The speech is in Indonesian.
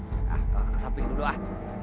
nah ke samping dulu ah